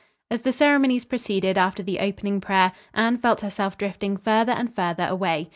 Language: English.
As the ceremonies proceeded after the opening prayer, Anne felt herself drifting further and further away.